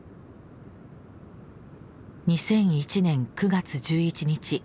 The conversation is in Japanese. ２００１年９月１１日。